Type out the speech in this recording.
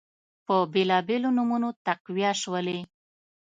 په بیلابیلو نومونو تقویه شولې